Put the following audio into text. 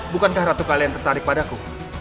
bukankah ratu kalian tertarik padaku